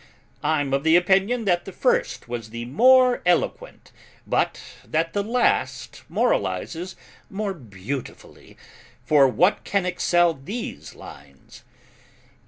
I'm of the opinion that the first was the more eloquent, but that the last moralizes more beautifully, for what can excel these lines?